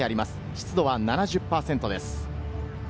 湿度は７０％です。